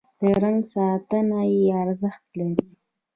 د رنګ ساتنه یې ارزښت لري.